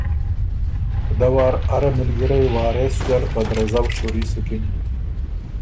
دۀ وار اره مِلګِرئ وارث زر په درزؤ شُوري سُکِن۔